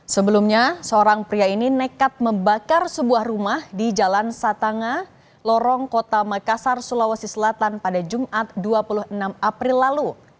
sebelumnya seorang pria ini nekat membakar sebuah rumah di jalan satanga lorong kota makassar sulawesi selatan pada jumat dua puluh enam april lalu